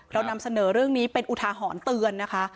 เรานำเสนอเรื่องนี้เป็นอุทาหรณ์เตือนนะคะ